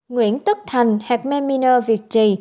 nguyễn tức thành hạc mê miner việt trì